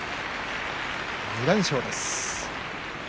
２連勝です。